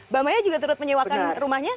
mbak maya juga terus menyewakan rumahnya